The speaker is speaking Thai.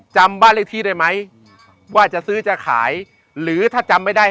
จำบ้านเลขที่ได้ไหมว่าจะซื้อจะขายหรือถ้าจำไม่ได้